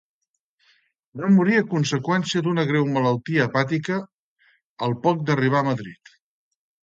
Va morir a conseqüència d'una greu malaltia hepàtica al poc d'arribar a Madrid.